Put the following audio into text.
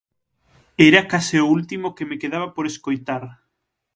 Era case o último que me quedaba por escoitar.